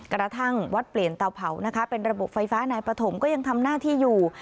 กระทั่งวัดเปลี่ยนเตาเผานะคะเป็นระบบไฟฟ้านายปฐมก็ยังทำหน้าที่อยู่